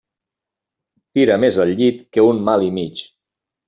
Tira més el llit que un mal i mig.